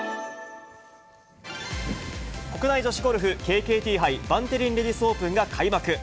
国内女子ゴルフ、ＫＫＴ杯バンテリンレディスオープンが開幕。